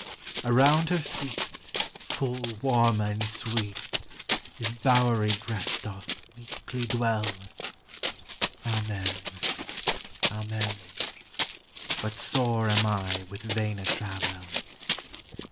Around her feet Full Warme and Sweete His bowerie Breath doth meeklie dwell; Amen, Amen: But sore am I with Vaine Travèl!